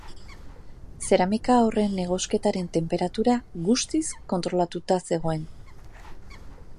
Zeramika horren egosketaren tenperatura guztiz kontrolatuta zegoen.